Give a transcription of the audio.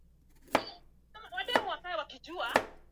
huduma wanazotoa zitahifadhiwa katika daftari hilo